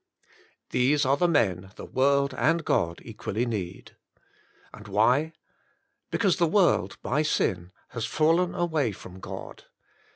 These are the men the world and God equally need^ And why? Because the world, by sin, has fallen away from God.